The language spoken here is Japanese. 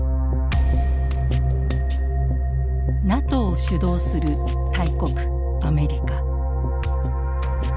ＮＡＴＯを主導する大国アメリカ。